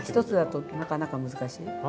１つだとなかなか難しい。